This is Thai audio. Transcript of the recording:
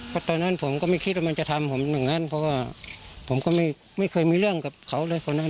เพราะตอนนั้นผมก็ไม่คิดว่ามันจะทำผมอย่างนั้นเพราะว่าผมก็ไม่เคยมีเรื่องกับเขาเลยคนนั้น